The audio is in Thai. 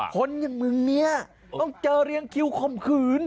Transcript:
คนอย่างมึงเนี่ยต้องเจอเรียงคิวข่มขืน